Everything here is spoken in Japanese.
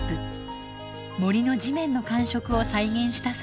森の地面の感触を再現したそうです。